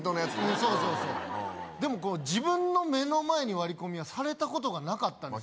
そうそうそうでも自分の目の前に割り込みはされたことがなかったんですよ